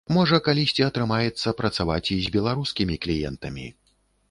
Можа калісьці атрымаецца працаваць і з беларускімі кліентамі.